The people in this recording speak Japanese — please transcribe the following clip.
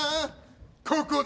ここだ！